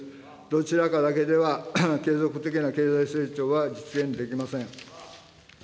どちらかだけでは継続的な経済成長は実現できません。